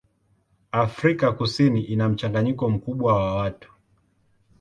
Afrika Kusini ina mchanganyiko mkubwa wa watu.